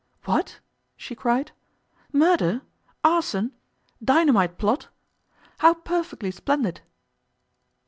'What?' she cried. 'Murder? Arson? Dynamite plot? How perfectly splendid!